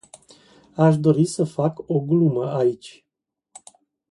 Aș dori să fac o glumă aici.